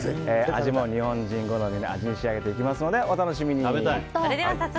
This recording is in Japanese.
味も日本人好みの味に仕上げていきますのでお楽しみに。